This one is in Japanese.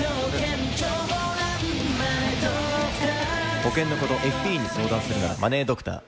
保険のこと、ＦＰに相談するならマネードクター。